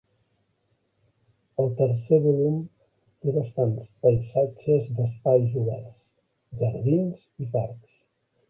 El tercer volum té bastants paisatges d'espais oberts, jardins i parcs.